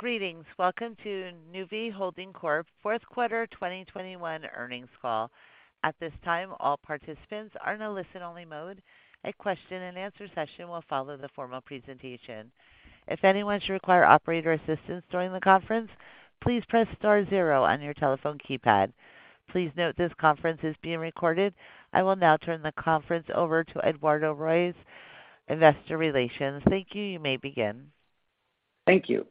Greetings. Welcome to Nuvve Holding Corp Fourth Quarter 2021 Earnings Call. At this time, all participants are in a listen-only mode. A question and answer session will follow the formal presentation. If anyone should require operator assistance during the conference, please press star zero on your telephone keypad. Please note this conference is being recorded. I will now turn the conference over to Eduardo Royes, Investor Relations. Thank you. You may begin. Thank you.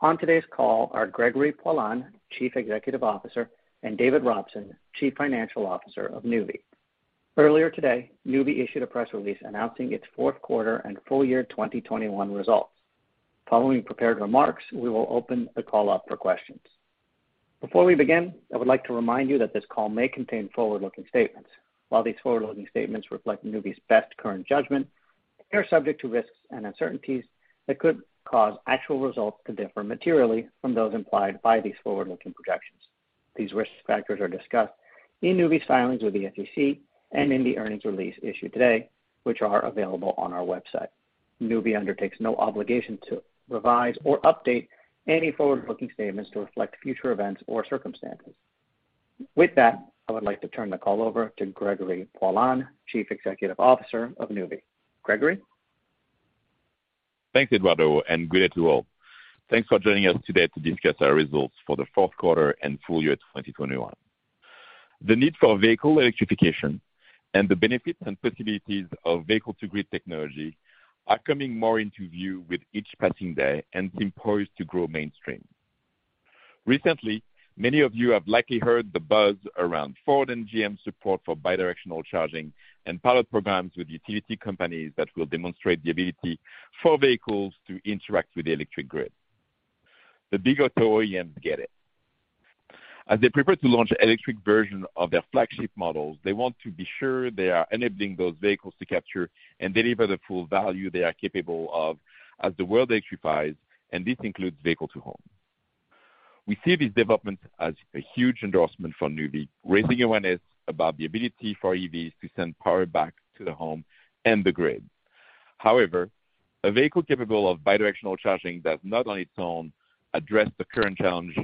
On today's call are Gregory Poilasne, Chief Executive Officer, and David Robson, Chief Financial Officer of Nuvve. Earlier today, Nuvve issued a press release announcing its fourth quarter and full year 2021 results. Following prepared remarks, we will open the call up for questions. Before we begin, I would like to remind you that this call may contain forward-looking statements. While these forward-looking statements reflect Nuvve's best current judgment, they are subject to risks and uncertainties that could cause actual results to differ materially from those implied by these forward-looking projections. These risk factors are discussed in Nuvve's filings with the SEC and in the earnings release issued today, which are available on our website. Nuvve undertakes no obligation to revise or update any forward-looking statements to reflect future events or circumstances. With that, I would like to turn the call over to Gregory Poilasne, Chief Executive Officer of Nuvve. Gregory? Thanks, Eduardo, and good day to all. Thanks for joining us today to discuss our results for the fourth quarter and full year 2021. The need for vehicle electrification and the benefits and possibilities of vehicle-to-grid technology are coming more into view with each passing day and seem poised to grow mainstream. Recently, many of you have likely heard the buzz around Ford and GM support for bi-directional charging and pilot programs with utility companies that will demonstrate the ability for vehicles to interact with the electric grid. The bigger two OEMs get it. As they prepare to launch electric version of their flagship models, they want to be sure they are enabling those vehicles to capture and deliver the full value they are capable of as the world electrifies, and this includes vehicle-to-home. We see this development as a huge endorsement for Nuvve, raising awareness about the ability for EVs to send power back to the home and the grid. However, a vehicle capable of bi-directional charging does not on its own address the current challenge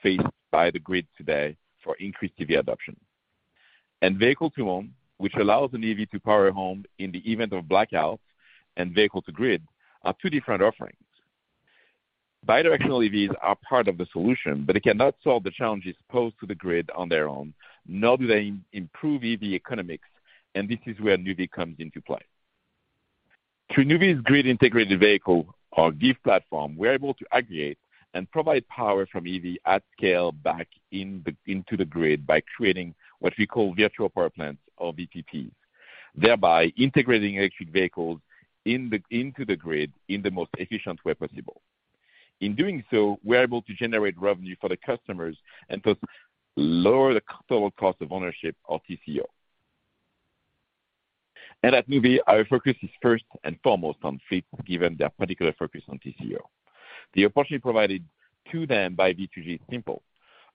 faced by the grid today for increased EV adoption. Vehicle-to-home, which allows an EV to power a home in the event of blackouts, and vehicle-to-grid are two different offerings. Bi-directional EVs are part of the solution, but it cannot solve the challenges posed to the grid on their own, nor do they improve EV economics, and this is where Nuvve comes into play. Through Nuvve's GIVe platform, we're able to aggregate and provide power from EV at scale back into the grid by creating what we call virtual power plants or VPPs, thereby integrating electric vehicles into the grid in the most efficient way possible. In doing so, we're able to generate revenue for the customers and to lower the total cost of ownership of TCO. At Nuvve, our focus is first and foremost on fleet, given their particular focus on TCO. The opportunity provided to them by V2G is simple.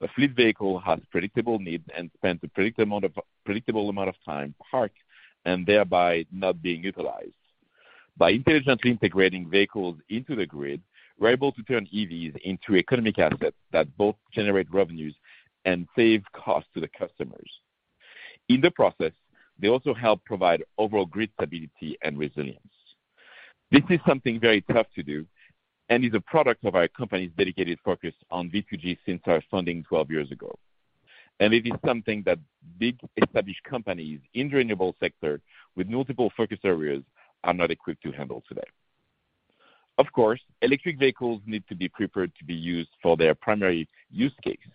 A fleet vehicle has predictable needs and spends a predictable amount of time parked and thereby not being utilized. By intelligently integrating vehicles into the grid, we're able to turn EVs into economic assets that both generate revenues and save costs to the customers. In the process, they also help provide overall grid stability and resilience. This is something very tough to do and is a product of our company's dedicated focus on V2G since our founding 12 years ago. It is something that big established companies in the renewable sector with multiple focus areas are not equipped to handle today. Of course, electric vehicles need to be prepared to be used for their primary use case,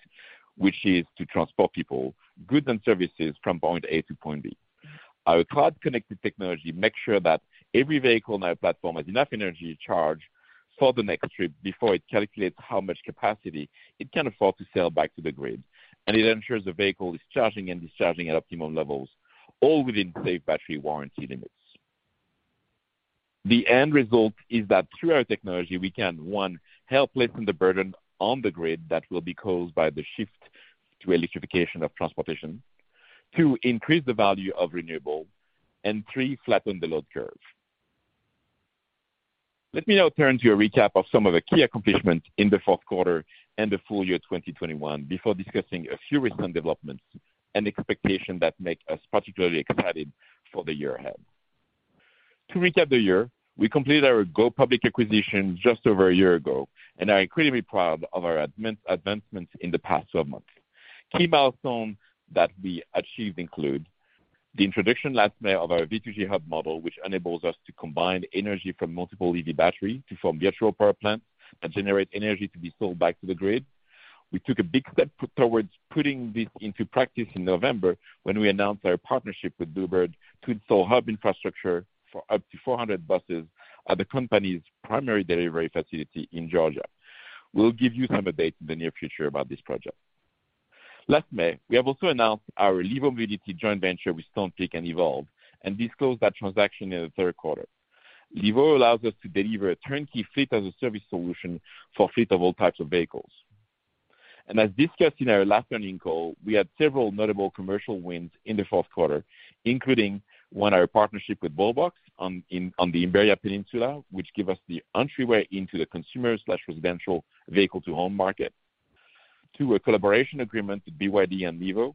which is to transport people, goods, and services from point A to point B. Our cloud-connected technology makes sure that every vehicle on our platform has enough energy charge for the next trip before it calculates how much capacity it can afford to sell back to the grid. It ensures the vehicle is charging and discharging at optimum levels, all within safe battery warranty limits. The end result is that through our technology, we can, one, help lessen the burden on the grid that will be caused by the shift to electrification of transportation. Two, increase the value of renewable. And three, flatten the load curve. Let me now turn to a recap of some of the key accomplishments in the fourth quarter and the full year 2021 before discussing a few recent developments and expectations that make us particularly excited for the year ahead. To recap the year, we completed our go public acquisition just over a year ago and are incredibly proud of our advancements in the past 12 months. Key milestones that we achieved include the introduction last May of our V2G Hub model, which enables us to combine energy from multiple EV batteries to form virtual power plant and generate energy to be sold back to the grid. We took a big step towards putting this into practice in November when we announced our partnership with Blue Bird to install hub infrastructure for up to 400 buses at the company's primary delivery facility in Georgia. We'll give you some updates in the near future about this project. Last May, we have also announced our Levo JV joint venture with Stonepeak and Evolve and disclosed that transaction in the third quarter. Levo allows us to deliver a turnkey fleet as a service solution for fleet of all types of vehicles. As discussed in our last earnings call, we had several notable commercial wins in the fourth quarter, including one, our partnership with Wallbox on the Iberian Peninsula, which give us the entryway into the consumer/residential vehicle-to-home market. Two, a collaboration agreement with BYD and Levo.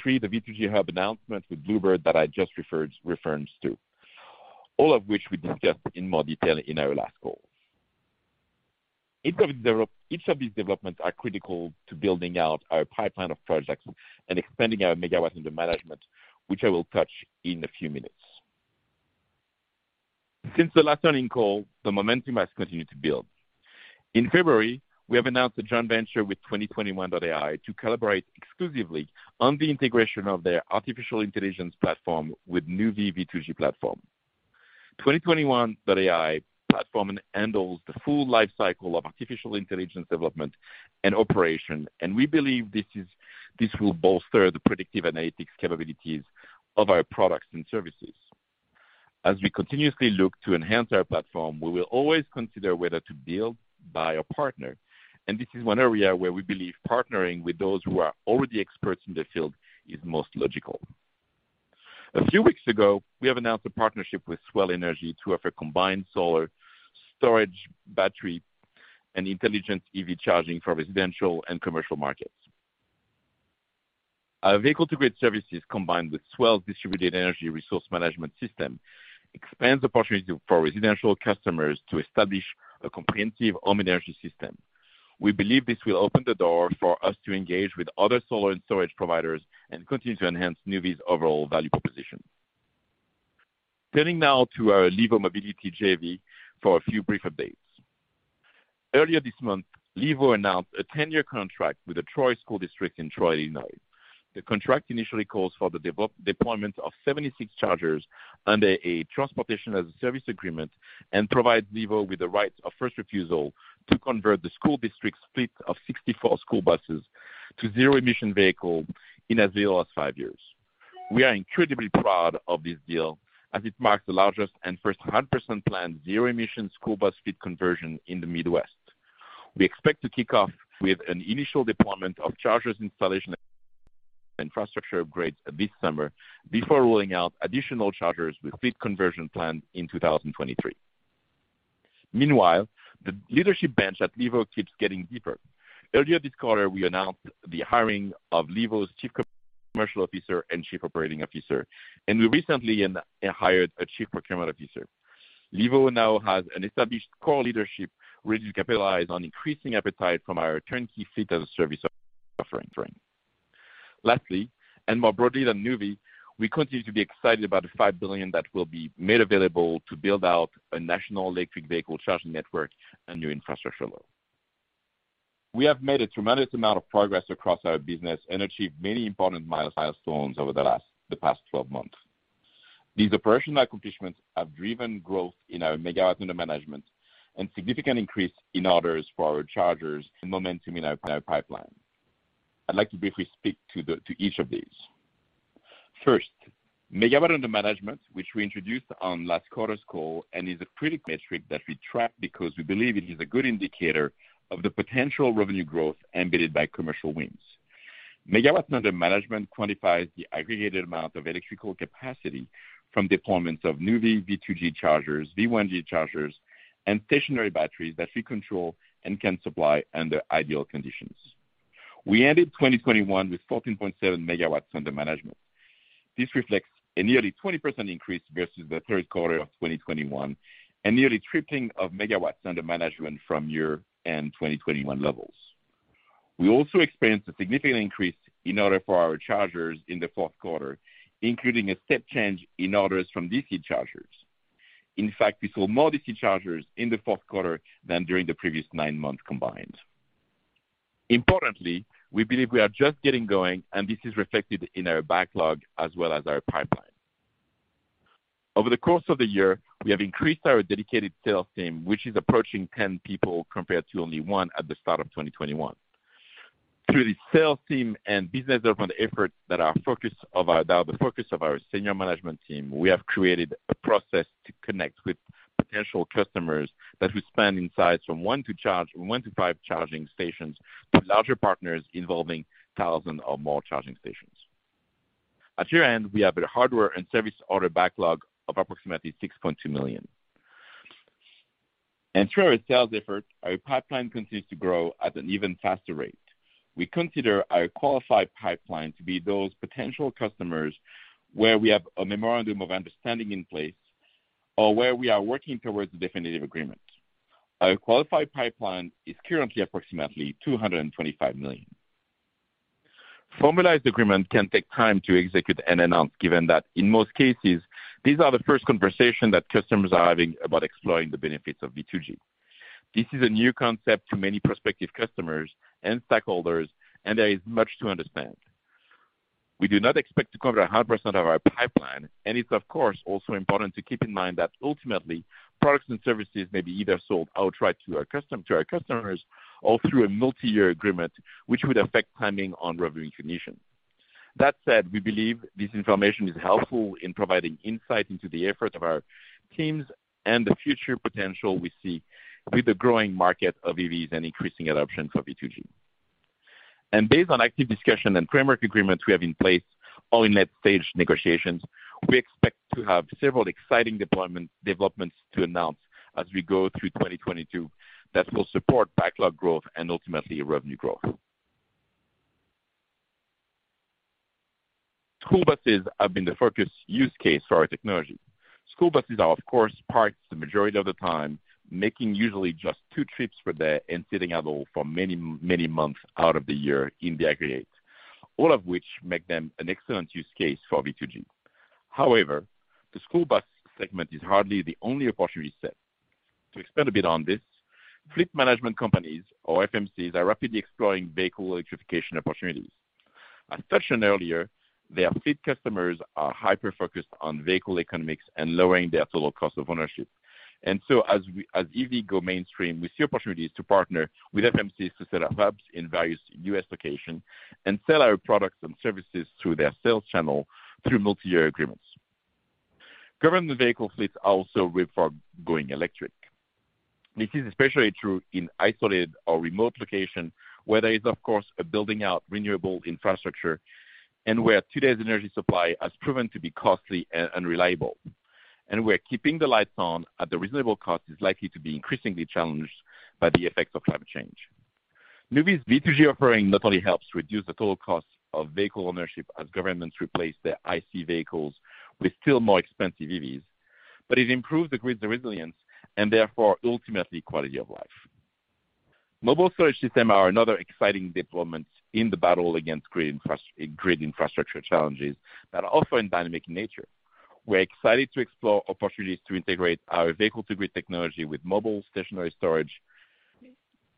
Three, the V2G Hub announcement with Blue Bird that I just referenced. All of which we discussed in more detail in our last call. Each of these developments are critical to building out our pipeline of projects and expanding our megawatts under management, which I will touch in a few minutes. Since the last earnings call, the momentum has continued to build. In February, we announced a joint venture with 2021.AI to collaborate exclusively on the integration of their artificial intelligence platform with Nuvve V2G platform. 2021.AI platform handles the full life cycle of artificial intelligence development and operation, and we believe this will bolster the predictive analytics capabilities of our products and services. As we continuously look to enhance our platform, we will always consider whether to build, buy or partner. This is one area where we believe partnering with those who are already experts in the field is most logical. A few weeks ago, we have announced a partnership with Swell Energy to offer combined solar storage battery and intelligent EV charging for residential and commercial markets. Our vehicle-to-grid services, combined with Swell's distributed energy resource management system, expands the opportunity for residential customers to establish a comprehensive home energy system. We believe this will open the door for us to engage with other solar and storage providers and continue to enhance Nuvve's overall value proposition. Turning now to our Levo Mobility JV for a few brief updates. Earlier this month, Levo announced a 10-year contract with the Troy School District in Troy, Illinois. The contract initially calls for the deployment of 76 chargers under a transportation as a service agreement and provides Levo with the right of first refusal to convert the school district's fleet of 64 school buses to zero-emission vehicles in as little as five years. We are incredibly proud of this deal, as it marks the largest and first 100% planned zero-emission school bus fleet conversion in the Midwest. We expect to kick off with an initial deployment of chargers installation infrastructure upgrades this summer before rolling out additional chargers with fleet conversion plan in 2023. Meanwhile, the leadership bench at Levo keeps getting deeper. Earlier this quarter, we announced the hiring of Levo's Chief Commercial Officer and Chief Operating Officer, and we recently hired a Chief Procurement Officer. Levo now has an established core leadership ready to capitalize on increasing appetite from our turnkey fleet as a service offering. Lastly, and more broadly than Nuvve, we continue to be excited about the $5 billion that will be made available to build out a national electric vehicle charging network and new infrastructure law. We have made a tremendous amount of progress across our business and achieved many important milestones over the past 12 months. These operational accomplishments have driven growth in our megawatts under management and significant increase in orders for our chargers and momentum in our pipeline. I'd like to briefly speak to each of these. First, megawatts under management, which we introduced on last quarter's call and is a critical metric that we track because we believe it is a good indicator of the potential revenue growth embedded by commercial wins. Megawatts under management quantifies the aggregated amount of electrical capacity from deployments of Nuvve V2G chargers, V1G chargers, and stationary batteries that we control and can supply under ideal conditions. We ended 2021 with 14.7 MW under management. This reflects a nearly 20% increase versus the third quarter of 2021, and nearly tripling of megawatts under management from year-end 2021 levels. We also experienced a significant increase in orders for our chargers in the fourth quarter, including a step change in orders from DC chargers. In fact, we sold more DC chargers in the fourth quarter than during the previous nine months combined. Importantly, we believe we are just getting going, and this is reflected in our backlog as well as our pipeline. Over the course of the year, we have increased our dedicated sales team, which is approaching 10 people compared to only one at the start of 2021. Through the sales team and business development efforts, the focus of our senior management team, we have created a process to connect with potential customers that span in size from one to five charging stations, to larger partners involving thousand or more charging stations. At year-end, we have a hardware and service order backlog of approximately $6.2 million. Through our sales effort, our pipeline continues to grow at an even faster rate. We consider our qualified pipeline to be those potential customers, where we have a memorandum of understanding in place or where we are working towards a definitive agreement. Our qualified pipeline is currently approximately $225 million. Formalized agreement can take time to execute and announce, given that in most cases, these are the first conversation that customers are having about exploring the benefits of V2G. This is a new concept to many prospective customers and stakeholders, and there is much to understand. We do not expect to cover 100% of our pipeline, and it's of course, also important to keep in mind that ultimately, products and services may be either sold outright to our customers or through a multi-year agreement, which would affect timing on revenue recognition. That said, we believe this information is helpful in providing insight into the efforts of our teams and the future potential we see with the growing market of EVs and increasing adoption for V2G. Based on active discussion and framework agreements we have in place or in late-stage negotiations, we expect to have several exciting deployment developments to announce as we go through 2022 that will support backlog growth and ultimately revenue growth. School buses have been the focus use case for our technology. School buses are of course parked the majority of the time, making usually just two trips per day and sitting idle for many, many months out of the year in the aggregate, all of which make them an excellent use case for V2G. However, the school bus segment is hardly the only opportunity set. To expand a bit on this, fleet management companies or FMCs are rapidly exploring vehicle electrification opportunities. As mentioned earlier, their fleet customers are hyper-focused on vehicle economics and lowering their total cost of ownership. As EVs go mainstream, we see opportunities to partner with FMCs to set up hubs in various U.S. locations and sell our products and services through their sales channel through multiyear agreements. Government vehicle fleets also are ripe for going electric. This is especially true in isolated or remote locations where there is of course a building out renewable infrastructure and where today's energy supply has proven to be costly and unreliable, and where keeping the lights on at a reasonable cost is likely to be increasingly challenged by the effects of climate change. Nuvve's V2G offering not only helps reduce the total cost of vehicle ownership as governments replace their ICE vehicles with still more expensive EVs, but it improves the grid resilience and therefore ultimately quality of life. Mobile storage systems are another exciting deployment in the battle against grid infrastructure challenges that are also in dynamic nature. We're excited to explore opportunities to integrate our vehicle-to-grid technology with mobile stationary storage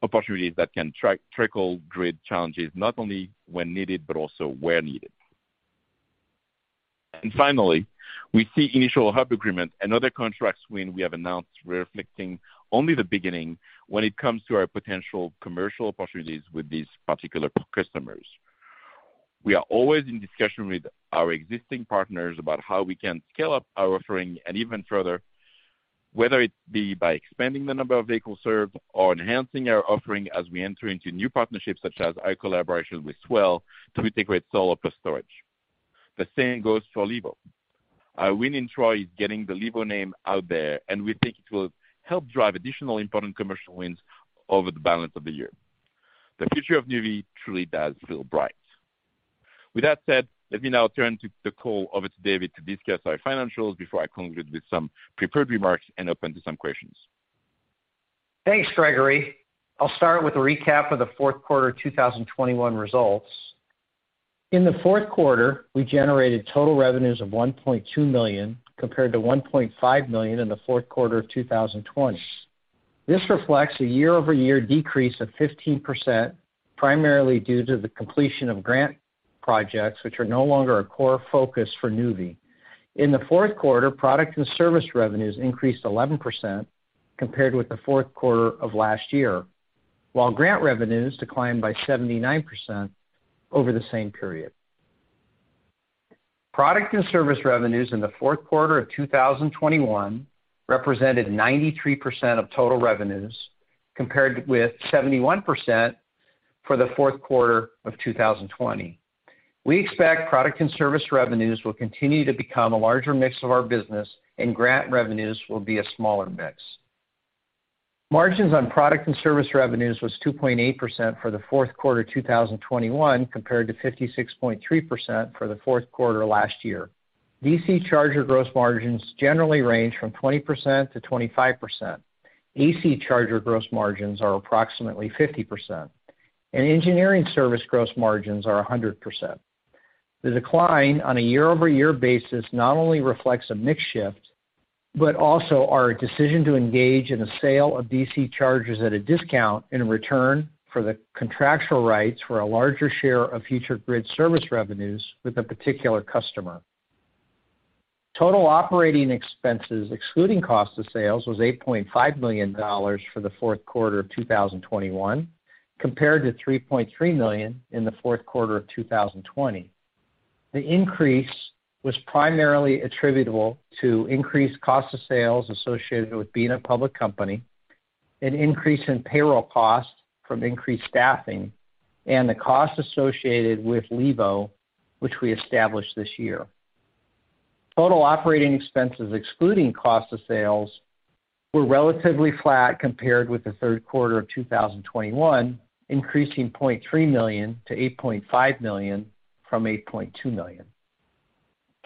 opportunities that can trickle grid challenges not only when needed, but also where needed. Finally, we see initial hub agreement and other contract wins we have announced reflecting only the beginning when it comes to our potential commercial opportunities with these particular customers. We are always in discussion with our existing partners about how we can scale up our offering and even further, whether it be by expanding the number of vehicles served or enhancing our offering as we enter into new partnerships such as our collaboration with Swell to integrate solar plus storage. The same goes for Levo. Our win in Troy is getting the Levo name out there, and we think it will help drive additional important commercial wins over the balance of the year. The future of Nuvve truly does feel bright. With that said, let me now turn the call over to David to discuss our financials before I conclude with some prepared remarks and open to some questions. Thanks, Gregory. I'll start with a recap of the fourth quarter 2021 results. In the fourth quarter, we generated total revenues of $1.2 million, compared to $1.5 million in the fourth quarter of 2020. This reflects a year-over-year decrease of 15%, primarily due to the completion of grant projects, which are no longer a core focus for Nuvve. In the fourth quarter, product and service revenues increased 11% compared with the fourth quarter of last year, while grant revenues declined by 79% over the same period. Product and service revenues in the fourth quarter of 2021 represented 93% of total revenues, compared with 71% for the fourth quarter of 2020. We expect product and service revenues will continue to become a larger mix of our business and grant revenues will be a smaller mix. Margins on product and service revenues was 2.8% for the fourth quarter 2021, compared to 56.3% for the fourth quarter last year. DC charger gross margins generally range from 20%-25%. AC charger gross margins are approximately 50%, and engineering service gross margins are 100%. The decline on a year-over-year basis not only reflects a mix shift, but also our decision to engage in a sale of DC chargers at a discount in return for the contractual rights for a larger share of future grid service revenues with a particular customer. Total operating expenses, excluding cost of sales, was $8.5 million for the fourth quarter of 2021, compared to $3.3 million in the fourth quarter of 2020. The increase was primarily attributable to increased cost of sales associated with being a public company, an increase in payroll costs from increased staffing, and the cost associated with Levo, which we established this year. Total operating expenses excluding cost of sales were relatively flat compared with the third quarter of 2021, increasing $0.3 million to $8.5 million from $8.2 million.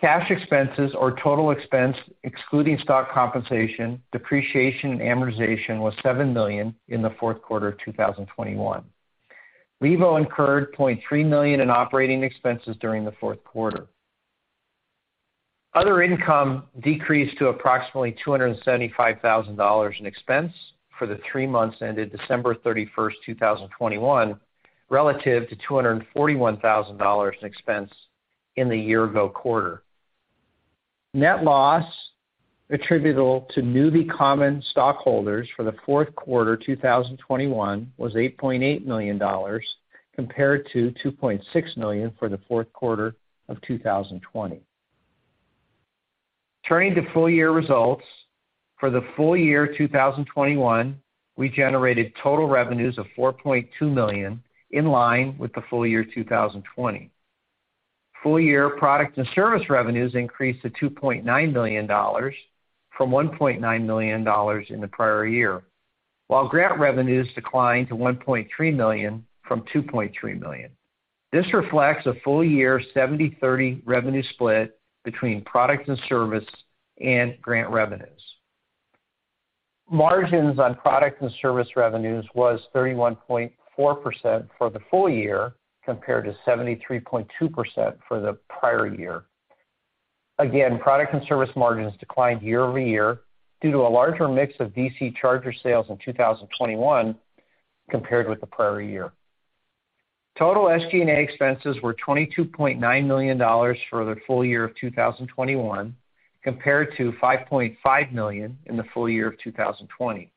Cash expenses or total expense excluding stock compensation, depreciation, and amortization was $7 million in the fourth quarter of 2021. Levo incurred $0.3 million in operating expenses during the fourth quarter. Other income decreased to approximately $275,000 in expense for the three months ended December 31st, 2021, relative to $241,000 in expense in the year ago quarter. Net loss attributable to Nuvve common stockholders for the fourth quarter 2021 was $8.8 million compared to $2.6 million for the fourth quarter of 2020. Turning to full year results. For the full year 2021, we generated total revenues of $4.2 million, in line with the full year 2020. Full year product and service revenues increased to $2.9 million from $1.9 million in the prior year. While grant revenues declined to $1.3 million from $2.3 million. This reflects a full year 70/30 revenue split between product and service and grant revenues. Margins on product and service revenues was 31.4% for the full year compared to 73.2% for the prior year. Again, product and service margins declined year-over-year due to a larger mix of DC charger sales in 2021 compared with the prior year. Total SG&A expenses were $22.9 million for the full year of 2021 compared to $5.5 million in the full year of 2020.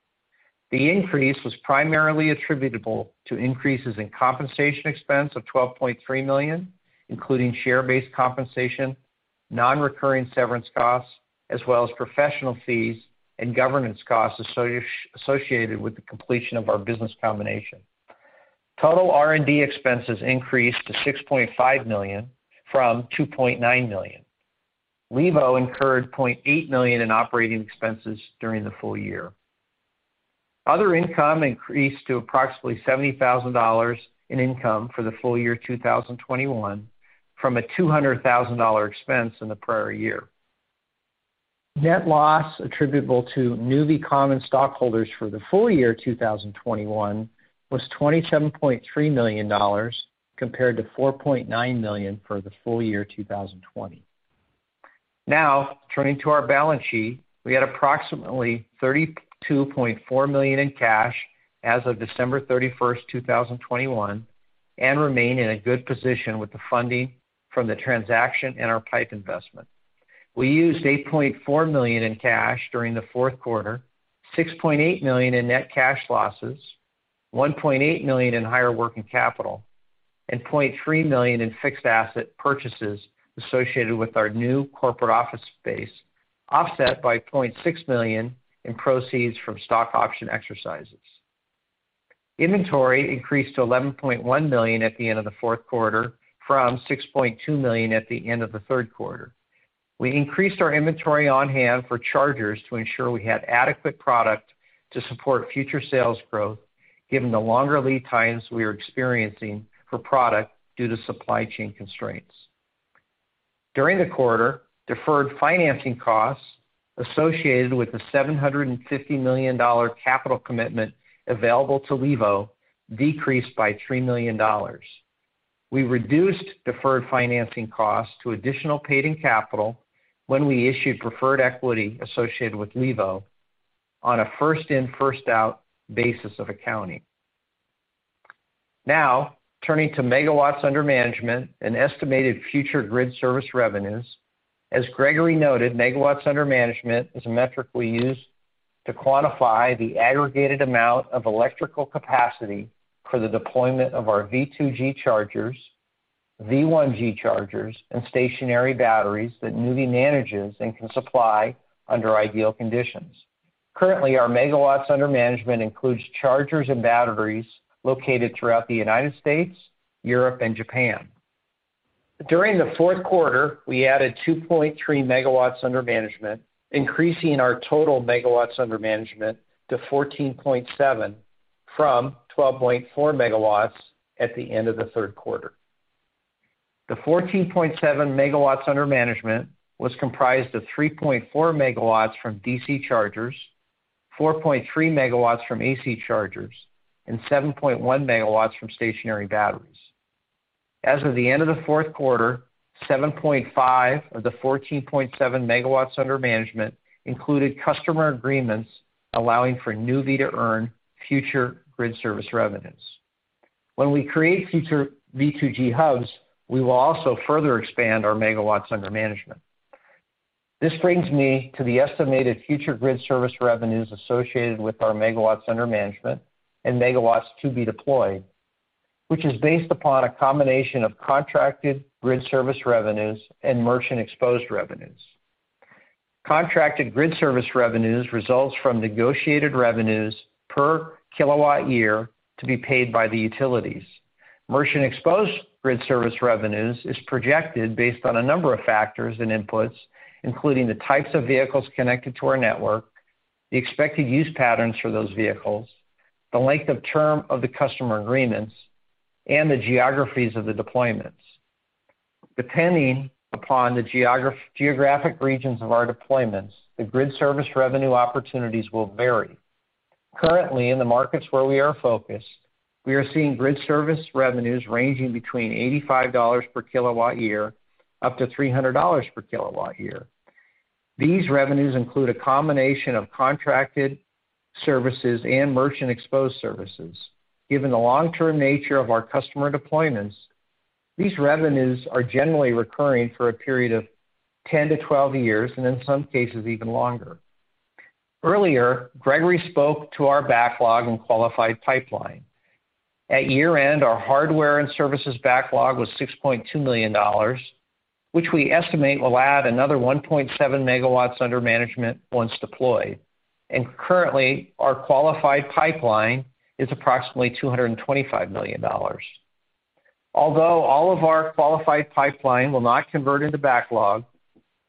The increase was primarily attributable to increases in compensation expense of $12.3 million, including share-based compensation, non-recurring severance costs, as well as professional fees and governance costs associated with the completion of our business combination. Total R&D expenses increased to $6.5 million from $2.9 million. Levo incurred $0.8 million in operating expenses during the full year. Other income increased to approximately $70,000 in income for the full year 2021 from a $200,000 expense in the prior year. Net loss attributable to Nuvve common stockholders for the full year 2021 was $27.3 million compared to $4.9 million for the full year 2020. Now, turning to our balance sheet. We had approximately $32.4 million in cash as of December 31st, 2021, and remain in a good position with the funding from the transaction and our PIPE investment. We used $8.4 million in cash during the fourth quarter, $6.8 million in net cash losses, $1.8 million in higher working capital, and $0.3 million in fixed asset purchases associated with our new corporate office space, offset by $0.6 million in proceeds from stock option exercises. Inventory increased to $11.1 million at the end of the fourth quarter from $6.2 million at the end of the third quarter. We increased our inventory on-hand for chargers to ensure we had adequate product to support future sales growth, given the longer lead times we are experiencing for product due to supply chain constraints. During the quarter, deferred financing costs associated with the $750 million capital commitment available to Levo decreased by $3 million. We reduced deferred financing costs to additional paid-in capital when we issued preferred equity associated with Levo on a first in, first out basis of accounting. Now, turning to megawatts under management and estimated future grid service revenues. As Gregory noted, megawatts under management is a metric we use to quantify the aggregated amount of electrical capacity for the deployment of our V2G chargers, V1G chargers, and stationary batteries that Nuvve manages and can supply under ideal conditions. Currently, our megawatts under management includes chargers and batteries located throughout the United States, Europe, and Japan. During the fourth quarter, we added 2.3 MW under management, increasing our total megawatts under management to 14.7 MW from 12.4 MW at the end of the third quarter. The 14.7 MW under management was comprised of 3.4 MW from DC chargers, 4.3 MW from AC chargers, and 7.1 MW from stationary batteries. As of the end of the fourth quarter, 7.5 MW of the 14.7 MW under management included customer agreements allowing for Nuvve to earn future grid service revenues. When we create future V2G hubs, we will also further expand our megawatts under management. This brings me to the estimated future grid service revenues associated with our megawatts under management and megawatts to be deployed, which is based upon a combination of contracted grid service revenues and merchant exposed revenues. Contracted grid service revenues results from negotiated revenues per kilowatt year to be paid by the utilities. Merchant-exposed grid service revenues is projected based on a number of factors and inputs, including the types of vehicles connected to our network, the expected use patterns for those vehicles, the length of term of the customer agreements, and the geographies of the deployments. Depending upon the geographic regions of our deployments, the grid service revenue opportunities will vary. Currently, in the markets where we are focused, we are seeing grid service revenues ranging between $85 per kilowatt-year up to $300 per kilowatt-year. These revenues include a combination of contracted services and merchant-exposed services. Given the long-term nature of our customer deployments, these revenues are generally recurring for a period of 10 to 12 years, and in some cases, even longer. Earlier, Gregory spoke to our backlog and qualified pipeline. At year-end, our hardware and services backlog was $6.2 million, which we estimate will add another 1.7 MW under management once deployed. Currently, our qualified pipeline is approximately $225 million. Although all of our qualified pipeline will not convert into backlog,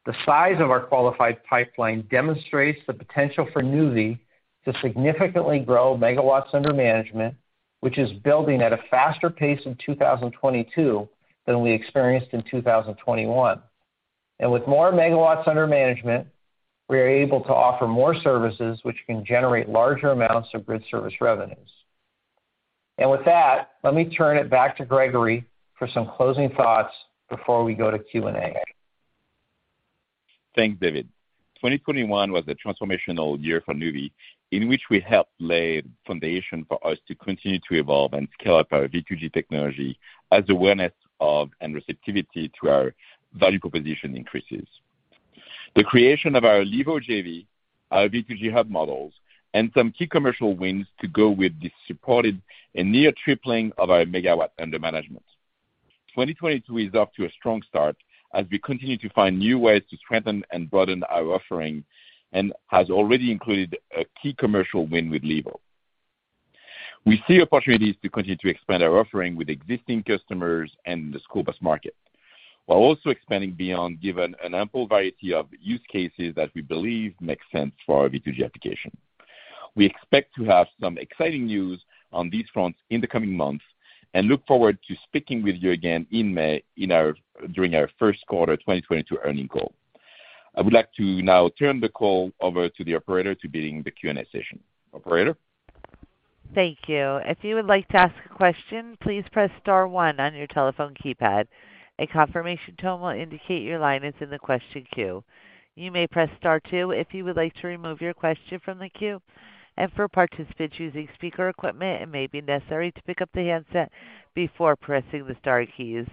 the size of our qualified pipeline demonstrates the potential for Nuvve to significantly grow megawatts under management, which is building at a faster pace in 2022 than we experienced in 2021. With more megawatts under management, we are able to offer more services which can generate larger amounts of grid service revenues. With that, let me turn it back to Gregory for some closing thoughts before we go to Q&A. Thanks, David. 2021 was a transformational year for Nuvve in which we helped lay a foundation for us to continue to evolve and scale up our V2G technology as awareness of and receptivity to our value proposition increases. The creation of our Levo JV, our V2G Hub models, and some key commercial wins to go with this supported a near tripling of our megawatts under management. 2022 is off to a strong start as we continue to find new ways to strengthen and broaden our offering, and has already included a key commercial win with Levo. We see opportunities to continue to expand our offering with existing customers and the school bus market, while also expanding beyond, given an ample variety of use cases that we believe make sense for our V2G application. We expect to have some exciting news on these fronts in the coming months, and look forward to speaking with you again in May during our first quarter 2022 earnings call. I would like to now turn the call over to the operator to begin the Q&A session. Operator? Thank you. If you would like to ask a question, please press star one on your telephone keypad. A confirmation tone will indicate your line is in the question queue. You may press star two if you would like to remove your question from the queue. For participants using speaker equipment, it may be necessary to pick up the handset before pressing the star keys.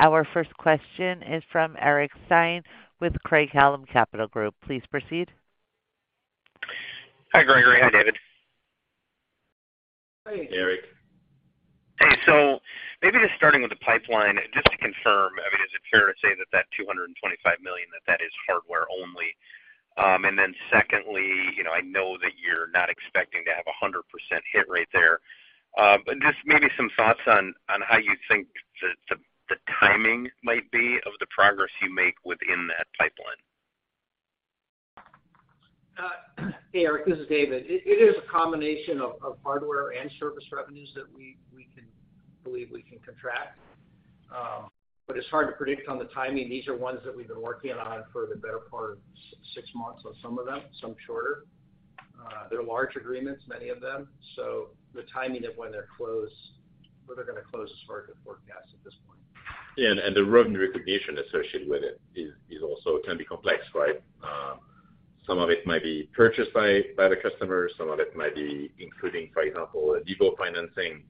Our first question is from Eric Stine with Craig-Hallum Capital Group. Please proceed. Hi, Gregory. Hi, David. Hey, Eric. Hey. Maybe just starting with the pipeline, just to confirm, I mean, is it fair to say that $225 million, that is hardware only? And then secondly, you know, I know that you're not expecting to have a 100% hit rate there, but just maybe some thoughts on how you think the timing might be of the progress you make within that pipeline. Hey, Eric, this is David. It is a combination of hardware and service revenues that we believe we can contract. It's hard to predict on the timing. These are ones that we've been working on for the better part of six months on some of them, some shorter. They're large agreements, many of them, so the timing of when they're closed, when they're gonna close is hard to forecast at this point. Yeah. The revenue recognition associated with it is also can be complex, right? Some of it might be purchased by the customer. Some of it might be including, for example, a depot financing,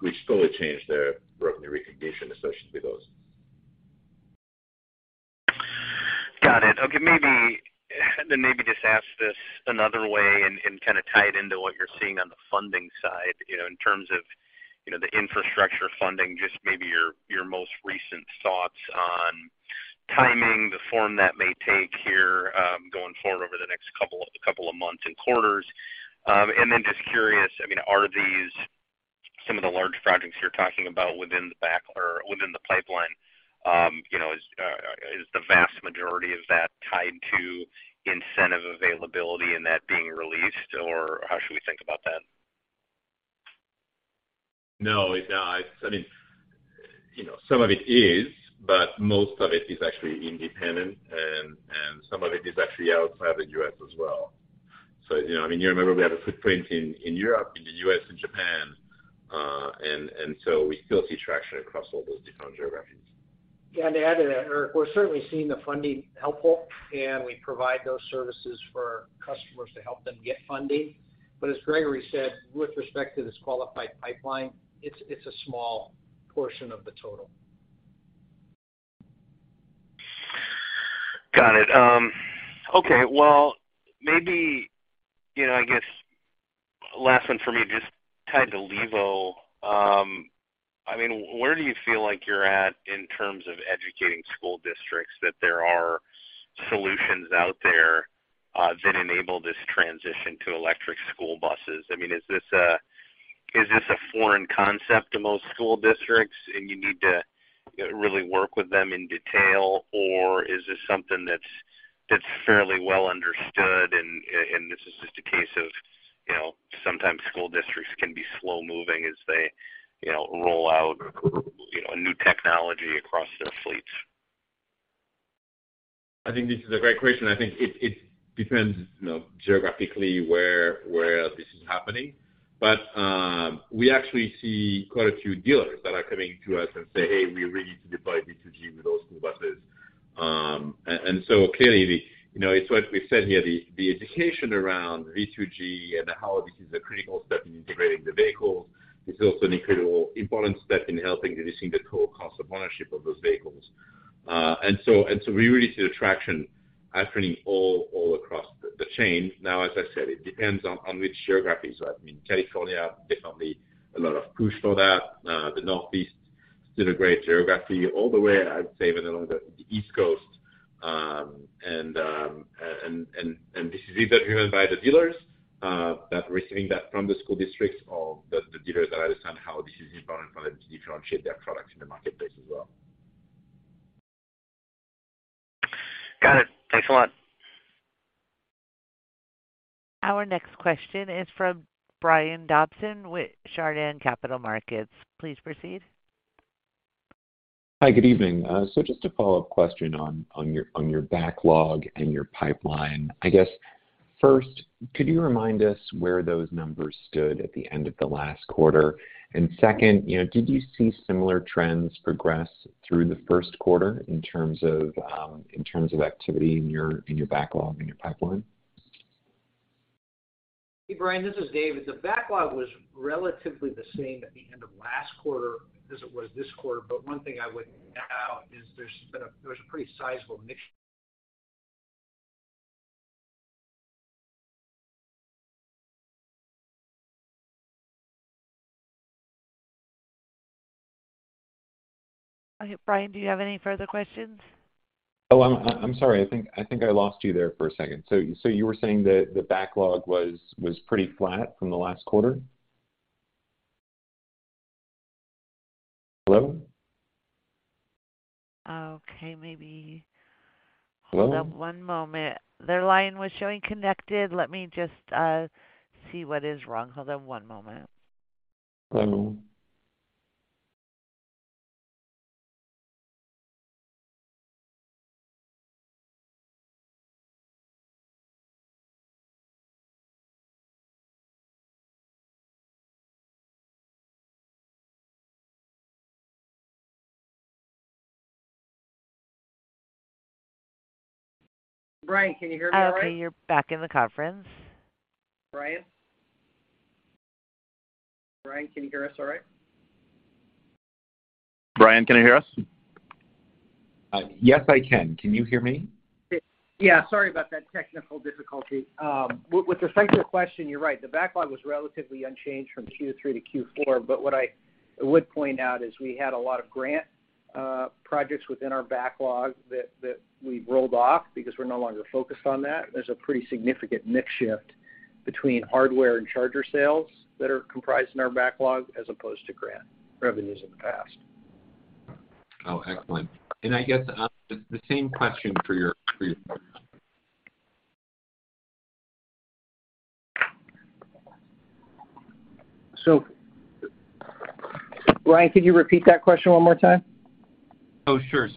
which totally change the revenue recognition associated with those. Got it. Okay, maybe just ask this another way and kinda tie it into what you're seeing on the funding side, you know, in terms of, you know, the infrastructure funding, just maybe your most recent thoughts on timing, the form that may take here, going forward over the next couple of months and quarters. Just curious, I mean, are these some of the large projects you're talking about within the backlog or within the pipeline, you know, is the vast majority of that tied to incentive availability and that being released, or how should we think about that? No, it's not. I mean, you know, some of it is, but most of it is actually independent and some of it is actually outside the U.S. as well. You know, I mean, you remember we have a footprint in Europe, in the U.S., and Japan, and so we still see traction across all those different geographies. Yeah, to add to that, Eric, we're certainly seeing the funding helpful, and we provide those services for our customers to help them get funding. As Gregory said, with respect to this qualified pipeline, it's a small portion of the total. Got it. Okay, well, maybe, you know, I guess last one for me, just tied to Levo. I mean, where do you feel like you're at in terms of educating school districts that there are solutions out there, that enable this transition to electric school buses? I mean, is this a foreign concept to most school districts, and you need to, you know, really work with them in detail? Or is this something that's fairly well understood and this is just a case of, you know, sometimes school districts can be slow-moving as they, you know, roll out, you know, a new technology across their fleets? I think this is a great question. It depends, you know, geographically where this is happening. We actually see quite a few dealers that are coming to us and say, "Hey, we're ready to deploy V2G with those school buses." Clearly, you know, it's what we said here, the education around V2G and how this is a critical step in integrating the vehicles. It's also an incredibly important step in helping reducing the total cost of ownership of those vehicles. We really see the traction happening all across the chain. Now, as I said, it depends on which geographies are. I mean, California, definitely a lot of push for that. The Northeast is still a great geography all the way, I'd say, even along the East Coast. This is either driven by the dealers that receiving that from the school districts or the dealers that understand how this is important for them to differentiate their products in the marketplace as well. Got it. Thanks a lot. Our next question is from Brian Dobson with Chardan Capital Markets. Please proceed. Hi, good evening. Just a follow-up question on your backlog and your pipeline. I guess first, could you remind us where those numbers stood at the end of the last quarter? Second, you know, did you see similar trends progress through the first quarter in terms of activity in your backlog and your pipeline? Hey, Brian, this is David. The backlog was relatively the same at the end of last quarter as it was this quarter. One thing I would point out is there's a pretty sizable mix Brian, do you have any further questions? Oh, I'm sorry. I think I lost you there for a second. So you were saying that the backlog was pretty flat from the last quarter? Hello? Okay, maybe. Hello? Hold on one moment. The line was showing connected. Let me just see what is wrong. Hold on one moment. Hello? Brian, can you hear me all right? Okay, you're back in the conference. Brian? Brian, can you hear us all right? Brian, can you hear us? Yes, I can. Can you hear me? Yeah. Sorry about that technical difficulty. With respect to your question, you're right. The backlog was relatively unchanged from Q3 to Q4. What I would point out is we had a lot of grant projects within our backlog that we rolled off because we're no longer focused on that. There's a pretty significant mix shift between hardware and charger sales that are comprised in our backlog as opposed to grant revenues in the past. Oh, excellent. I guess, the same question for your Brian, could you repeat that question one more time? Oh, sure.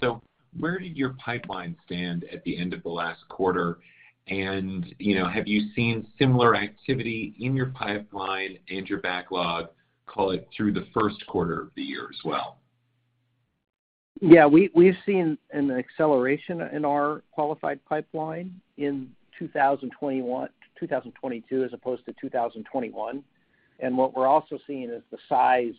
Where did your pipeline stand at the end of the last quarter? You know, have you seen similar activity in your pipeline and your backlog, call it, through the first quarter of the year as well? Yeah. We've seen an acceleration in our qualified pipeline in 2022 as opposed to 2021. What we're also seeing is the size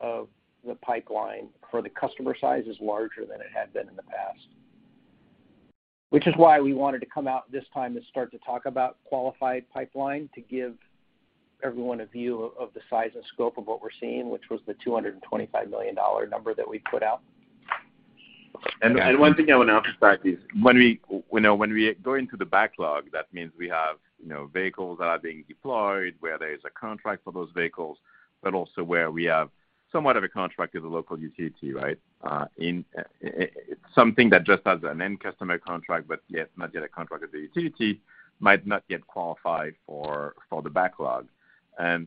of the pipeline for the customer size is larger than it had been in the past, which is why we wanted to come out this time to start to talk about qualified pipeline, to give everyone a view of the size and scope of what we're seeing, which was the $225 million number that we put out. One thing I want to emphasize is when we, you know, when we go into the backlog, that means we have, you know, vehicles that are being deployed where there is a contract for those vehicles, but also where we have somewhat of a contract with a local utility, right? It's something that just has an end customer contract but yet not yet a contract with the utility, might not yet qualify for the backlog. That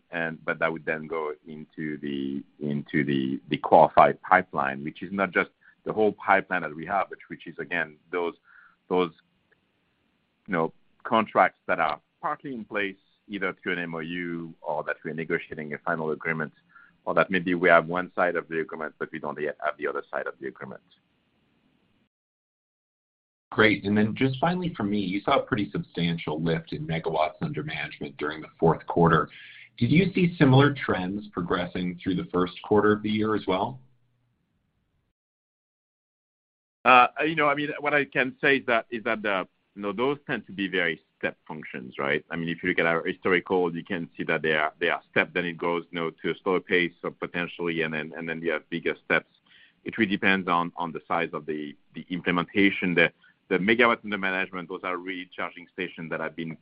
would then go into the qualified pipeline, which is not just the whole pipeline that we have, which is again those you know contracts that are partly in place either through an MOU or that we're negotiating a final agreement or that maybe we have one side of the agreement, but we don't yet have the other side of the agreement. Great. Just finally for me, you saw a pretty substantial lift in megawatts under management during the fourth quarter. Did you see similar trends progressing through the first quarter of the year as well? You know, I mean, what I can say is that the. You know, those tend to be very step functions, right? I mean, if you look at our historical, you can see that they are step, then it goes, you know, to a slower pace or potentially, and then we have bigger steps. It really depends on the size of the implementation. The megawatts under management, those are really charging stations that have been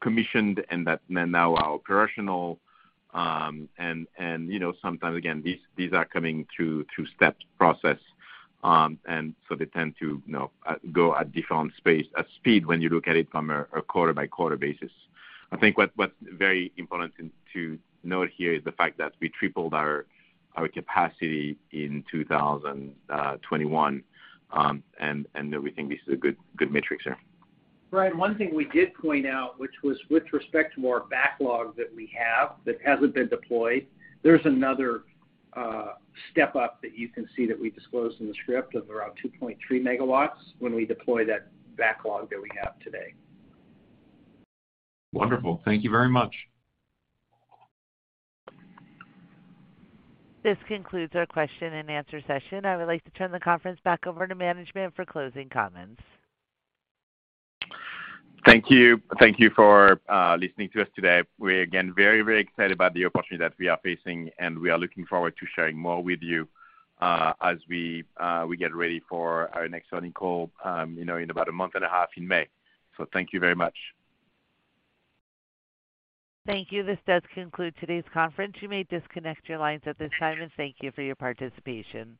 commissioned and that now are operational. And you know, sometimes again, these are coming through steps process. They tend to, you know, go at different speed when you look at it from a quarter-by-quarter basis. I think what's very important to note here is the fact that we tripled our capacity in 2021, and that we think this is a good metric here. Brian, one thing we did point out, which was with respect to more backlog that we have that hasn't been deployed, there's another step up that you can see that we disclosed in the script of around 2.3 MW when we deploy that backlog that we have today. Wonderful. Thank you very much. This concludes our question and answer session. I would like to turn the conference back over to management for closing comments. Thank you. Thank you for listening to us today. We're again, very, very excited about the opportunity that we are facing, and we are looking forward to sharing more with you, as we get ready for our next earnings call, you know, in about a month and a half in May. Thank you very much. Thank you. This does conclude today's conference. You may disconnect your lines at this time, and thank you for your participation.